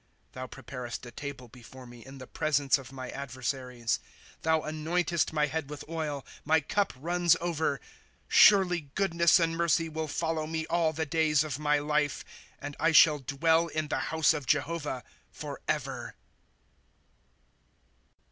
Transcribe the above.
* Thou preparest a table before me, in the presence of my adversaries ; Thou anoiiiLest my head with oil ; my cup runs over. ^ Surely goodness and mercy wilt follow me all the days of my life, . And I shall dwell in the house of Jehovah forever.